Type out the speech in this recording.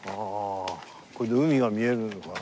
これ海が見えるのかな？